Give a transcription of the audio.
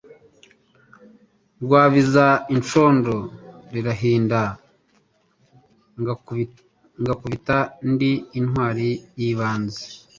Rwabiza icondo lirahinda, ngakubita ndi intwali y'ibanze.